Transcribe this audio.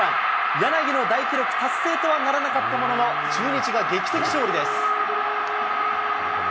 柳の大記録達成とはならなかったものの、中日が劇的勝利です。